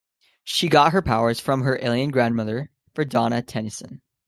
She got her powers from her alien grandmother, Verdona Tennyson.